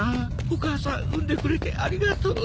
お母さん産んでくれてありがとう。